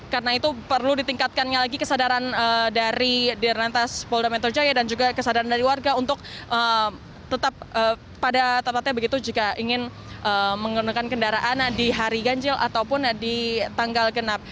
karena itu perlu ditingkatkannya lagi kesadaran dari dirlantas polda metro jaya dan juga kesadaran dari warga untuk tetap pada tatatnya begitu jika ingin menggunakan kendaraan di hari ganjil ataupun di tanggal genap